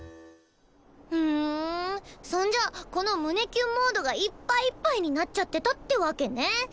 ふんそんじゃこの「胸キュンモード」がいっぱいいっぱいになっちゃってたってわけね。